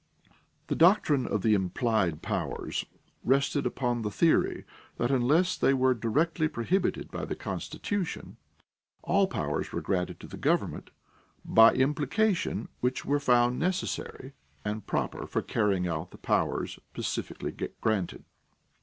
The doctrine of the "implied powers" rested upon the theory that unless they were directly prohibited by the Constitution, all powers were granted to the government by implication which were found necessary and proper for carrying out the powers specifically granted.